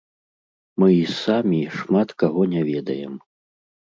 Мы і самі шмат каго не ведаем.